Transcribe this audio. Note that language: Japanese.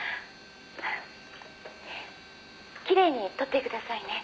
「きれいに撮ってくださいね」